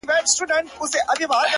o پرون دي بيا راڅه خوښي يووړله ـ